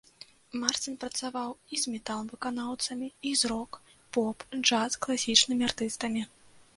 Марцін працаваў і з метал-выканаўцамі, і з рок-, поп-, джаз-, класічнымі артыстамі.